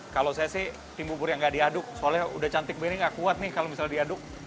kalau saya sih tim bubur yang nggak diaduk soalnya udah cantik begini gak kuat nih kalau misalnya diaduk